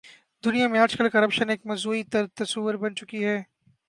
دنیا میں آج کل کرپشن ایک موضوعی تصور بن چکی ہے۔